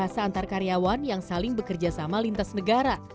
lark adalah bahasa antarkaryawan yang saling bekerja sama lintas negara